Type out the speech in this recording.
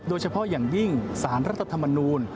โดยเฉพาะอย่างยิ่งสารรัฐธรรมนูล